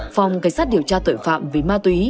phòng cảnh sát điều tra tội phạm về ma túy